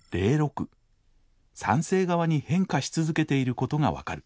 酸性側に変化し続けていることが分かる。